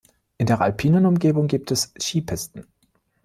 In der alpinen Umgebung gibt es Skipisten.